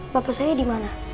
bapak saya dimana